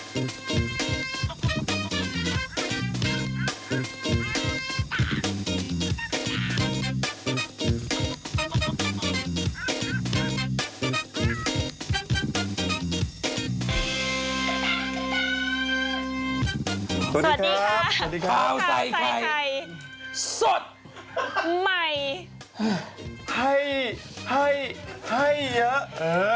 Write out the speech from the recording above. สวัสดีครับสวัสดีครับข้าวใส่ไข่สดใหม่ให้ให้ให้เยอะเออ